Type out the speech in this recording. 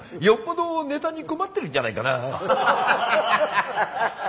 よっぽどネタに困ってるんじゃないかな。